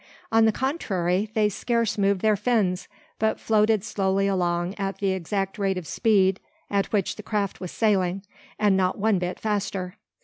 On the contrary, they scarce moved their fins; but floated slowly along at the exact rate of speed at which the craft was sailing, and not one bit faster.